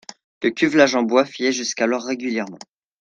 Le cuvelage en bois fuyait jusqu'alors régulièrement.